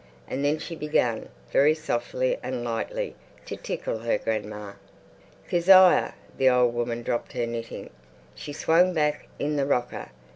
And then she began, very softly and lightly, to tickle her grandma. "Kezia!" The old woman dropped her knitting. She swung back in the rocker.